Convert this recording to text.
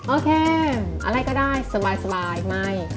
โอเคอะไรก็ได้สบายไม่